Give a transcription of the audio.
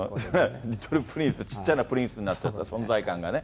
リトル・プリンス、ちっちゃなプリンスになっちゃった、存在感がね。